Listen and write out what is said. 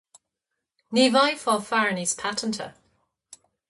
Ní bhfaighfeá fear níos paiteanta.